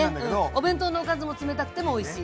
お弁当のおかずも冷たくてもおいしい。